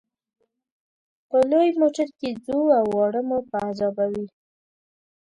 په لوی موټر کې ځو او واړه مو په عذابوي.